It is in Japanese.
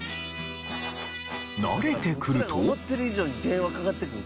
慣れてくると。